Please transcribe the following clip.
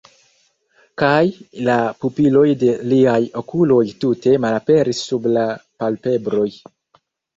Kaj la pupiloj de liaj okuloj tute malaperis sub la palpebroj.